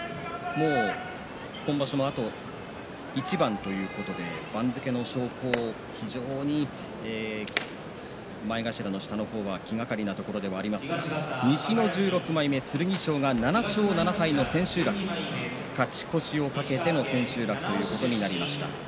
もう今場所もあと一番ということで番付の昇降非常に前頭の下の方は気がかりなところではありますが西の１６枚目の剣翔が７勝７敗で千秋楽勝ち越しを懸けての千秋楽ということになりました。